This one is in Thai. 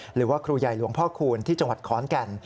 หรือว่าครูใหญ่หลวงพ่อคูณที่จังหวัดขอนแก่น